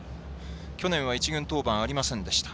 去年は一軍登板はありませんでした。